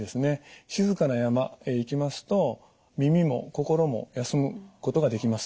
静かな山へ行きますと耳も心も休むことができます。